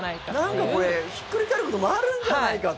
なんかひっくり返ることもあるんじゃないかと。